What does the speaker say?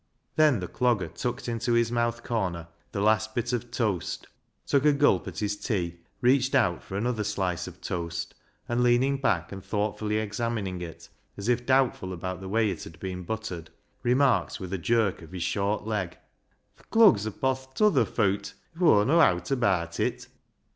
Then the Clogger tucked into his mouth corner the last bit of toast, took a gulp at his tea, reached out for another slice of toast, and leaning back and thoughtfully examining it, as if doubtful about the way it had been buttered, remarked, with a jerk of his short leg— " Th' clug's upo' th' t'other fooat if Aw know owt abaat it."